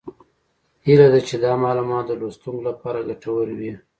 هیله ده چې دا معلومات د لوستونکو لپاره ګټور وي